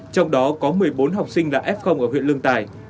trong đó có một mươi bốn học sinh là f ở huyện lương tài